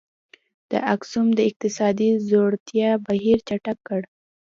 د اکسوم د اقتصادي ځوړتیا بهیر چټک کړ.